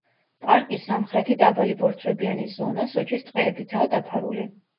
პარკის სამხრეთი დაბალი ბორცვებიანი ზონა სოჭის ტყეებითაა დაფარული.